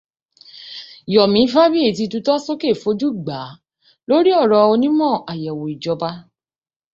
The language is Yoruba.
Yọ̀mí Fábíyìí ti tutọ́ sókè fojú gbàá lórí ọ̀rọ̀ onimọ̀ àyẹ̀wò ìjọba